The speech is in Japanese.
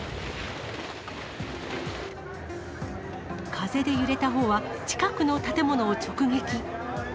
風で揺れた帆は近くの建物を直撃。